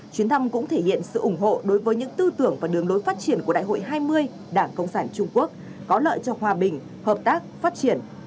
chuyến thăm cũng thể hiện sự ủng hộ đối với những tư tưởng và đường lối phát triển của đại hội hai mươi đảng cộng sản trung quốc có lợi cho hòa bình hợp tác phát triển